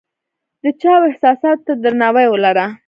د چا و احساساتو ته درناوی ولره !